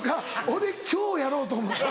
俺今日やろうと思って。